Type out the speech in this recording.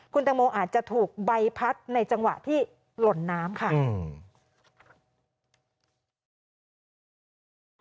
คุณตังโมอาจจะถูกใบพัดในจังหวะที่หล่นน้ำค่ะอืม